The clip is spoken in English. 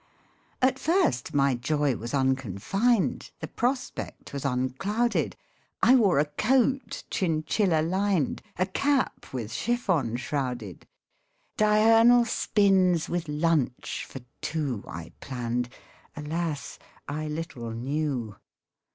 At first my joy was unconfined, The prospect was unclouded. I wore a coat, chinchilla lined, A cap with chiffon shrouded. Diurnal spins with lunch for two I planned alas ! I little knew